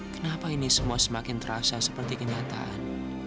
kenapa ini semua semakin terasa seperti kenyataan